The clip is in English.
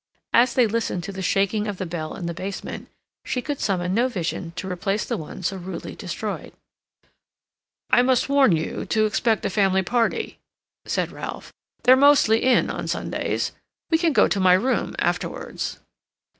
As they listened to the shaking of the bell in the basement, she could summon no vision to replace the one so rudely destroyed. "I must warn you to expect a family party," said Ralph. "They're mostly in on Sundays. We can go to my room afterwards."